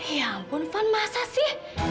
ya ampun fun masa sih